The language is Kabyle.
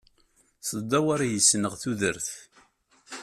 Teddawar yis-neɣ tudert.